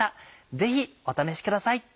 ぜひお試しください。